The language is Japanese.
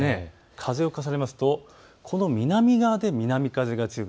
風を重ねますとこの南側で南風が強い。